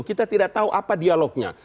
kita tidak tahu apa dialognya